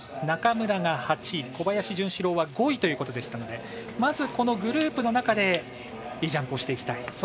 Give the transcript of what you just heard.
中村が８位、小林潤志郎は５位ということでしたのでまず、このグループの中でいいジャンプをしていきたい。